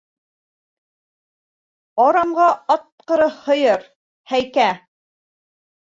Арамға атҡыры һыйыр, һәйкә!